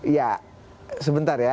ya sebentar ya